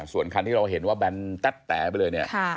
ส่วนคันที่เราเห็นว่าแบนตั๊ดแต๋ไปเลยเนี่ย